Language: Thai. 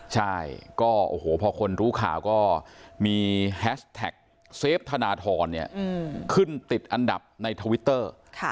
ใช่ก็โอ้โหพอคนรู้ข่าวก็มีแฮชแท็กเซฟธนทรขึ้นติดอันดับในทวิตเตอร์